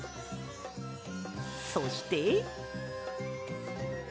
そして。